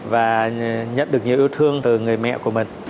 và nhận được nhiều yêu thương từ người mẹ của mình